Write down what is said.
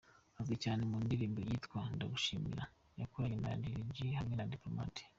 Azwi cyane mu ndirimbo yitwa Ndagushimira yakoranye na Lil G hamwe na Diplomate.